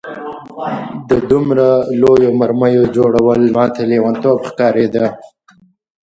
د دومره لویو مرمیو جوړول ماته لېونتوب ښکارېده